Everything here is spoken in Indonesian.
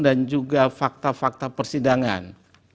dan juga fakta fakta persidangan